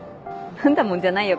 「なんだもん」じゃないよ